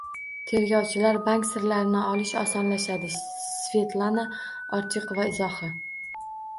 Tergovchilar bank sirlarini olishi osonlashdi. Svetlana Ortiqova izohi